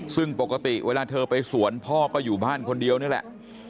ซึ่งปกติเวลาเธอไปสวนพ่อก็อยู่บ้านคนเดียวนี่แหละ